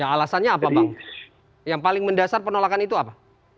alasannya apa bang yang paling mendasar penolakan itu apa